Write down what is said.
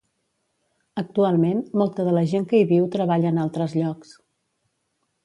Actualment, molta de la gent que hi viu treballa en altres llocs.